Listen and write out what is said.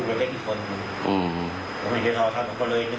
เจ้ามห่างบินทางไหนอยู่